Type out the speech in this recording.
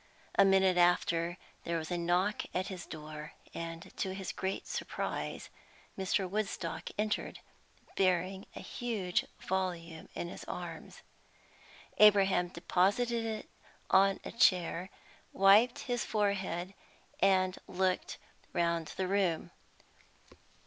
A minute after, there was a knock at his door, and, to his great surprise, Mr. Woodstock entered, bearing a huge volume in his arms. Abraham deposited it on a chair, wiped his forehead, and looked round the room.